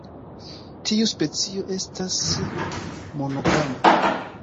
Tiu specio estas monogama.